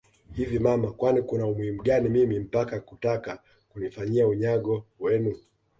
Hivi mama Kwani Kuna umuhimu gani mimi mpaka kutaka kunifanyia unyago wenu